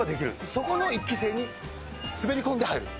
そこの１期生に滑り込んで入る。